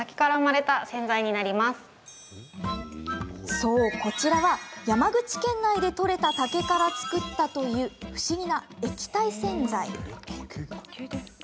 そう、こちらは山口県内でとれた竹から作ったという不思議な液体洗剤。